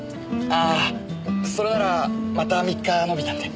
ああそれならまた３日延びたんで。